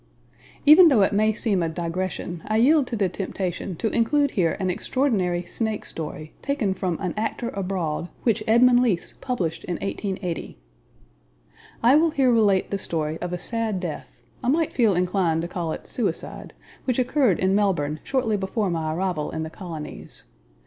Even though it may seem a digression, I yield to the temptation to include here an extraordinary "snake story" taken from An Actor Abroad, which Edmund Leathes published in 1880: I will here relate the story of a sad death I might feel inclined to call it suicide which occurred in Melbourne shortly before my arrival in the colonies.